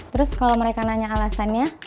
terus kalau mereka nanya alasannya